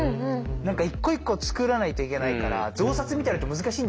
一個一個作らないといけないから増刷みたいのって難しいんですよね？